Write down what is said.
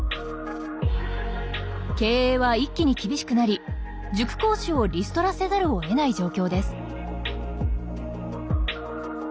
経営は一気に厳しくなり塾講師をリストラせざるをえない状況です。